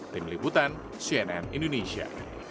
tim liputan cnn indonesia